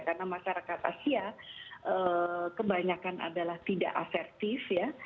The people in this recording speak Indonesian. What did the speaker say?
karena masyarakat asia kebanyakan adalah tidak asertif ya